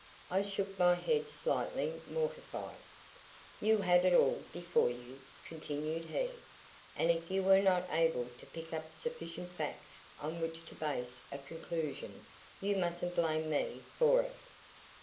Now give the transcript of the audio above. I shook my head slightly mortified. "You had it all before you," continued he, "and if you were not able to pick up sufficient facts on which to base a conclusion, you mustn't blame me for it."